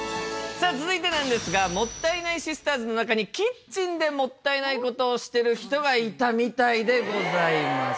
さあ続いてなんですがもったいないシスターズの中にキッチンでもったいない事をしてる人がいたみたいでございます。